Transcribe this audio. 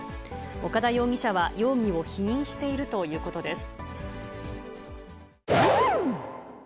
岡田容疑者は容疑を否認しているということです。